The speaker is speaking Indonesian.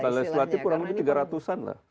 anggota legi selati kurang lebih tiga ratus an lah